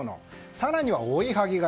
更には、追いはぎ型。